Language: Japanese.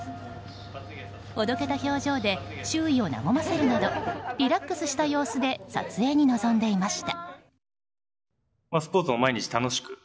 おどけた表情で周囲を和ませるなどリラックスした様子で撮影に臨んでいました。